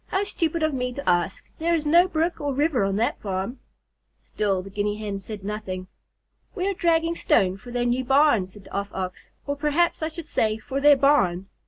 "How stupid of me to ask. There is no brook or river on that farm." Still the Guinea Hen said nothing. "We are dragging stone for their new barn," said the Off Ox. "Or perhaps I should say for their barn.